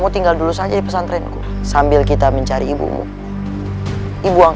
tinggal sendirian di dalam hutan